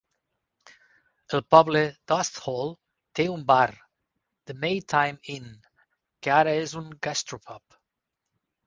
El poble d' Asthall té un bar, The Maytime Inn, que ara és un gastropub.